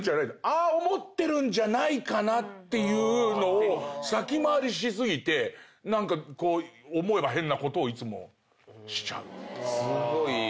ああ思ってるんじゃないかなっていうのを先回りし過ぎて何かこう思えば変なことをいつもしちゃう。